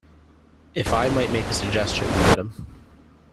If I might make a suggestion, madam.